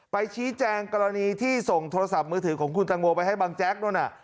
ไปชี้แจงกรณีที่ส่งโทรศัพท์มือถือของคุณตังโมไปให้บังแจ๊กนู่นน่ะ